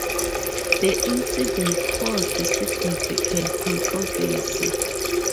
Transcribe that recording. The incident caused significant controversy.